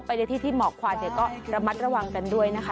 ไปในที่ที่เหมาะความเดี๋ยวก็ระมัดระวังกันด้วยนะคะ